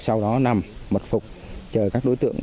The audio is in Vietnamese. sau đó nằm mật phục chờ các đối tượng